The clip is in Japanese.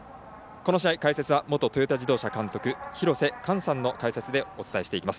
この試合解説は元トヨタ自動車監督廣瀬寛さんの解説でお伝えしていきます。